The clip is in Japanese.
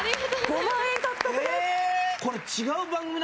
５万円獲得です。